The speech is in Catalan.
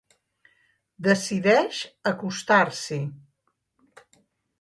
Decideix acostar-s'hi.